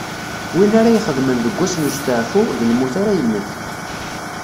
Win ara ixedmen deg wass n westeɛfu, d lmut ara yemmet.